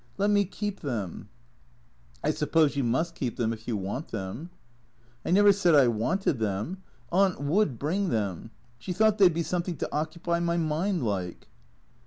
Let me keep them." " I suppose you must keep them if you want them." " I never said I wanted them. Aunt would bring them. She thought they 'd be something to occupy my mind, like."